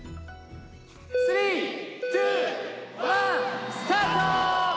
３、２、１、スタート！